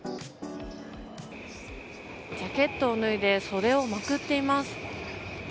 ジャケットを脱いで袖をまくっています。